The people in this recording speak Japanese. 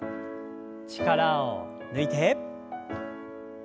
力を抜いて。